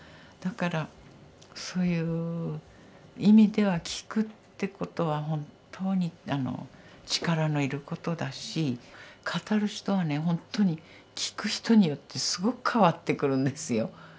だからそういう意味では「きく」ってことは本当に力の要ることだし語る人はねほんとにきく人によってすごく変わってくるんですよ。